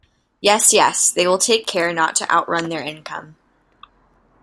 Yes, yes, they will take care not to outrun their income.